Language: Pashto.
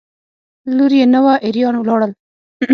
لور یې نه وه اریان ولاړل.